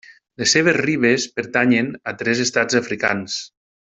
Les seves ribes pertanyen a tres estats africans: